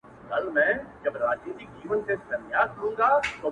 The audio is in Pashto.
د خدای د نور نه جوړ غمی ي خو غمی نه يمه؛